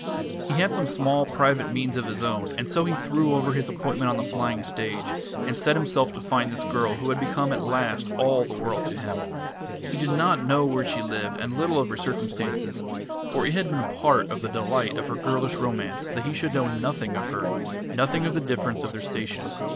He had some small private means of his own, and so he threw over his appointment on the flying stage, and set himself to find this girl who had become at last all the world to him. He did not know where she lived, and little of her circumstances; for it had been part of the delight of her girlish romance that he should know nothing of her, nothing of the difference of their station.